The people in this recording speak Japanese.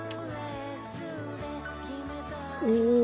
お！